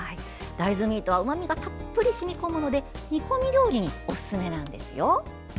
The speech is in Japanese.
大豆ミートはうまみがたっぷり染み込むので煮込み料理におすすめですよ。